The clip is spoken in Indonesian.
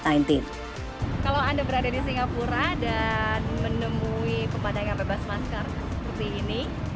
kalau anda berada di singapura dan menemui pemandangan bebas masker seperti ini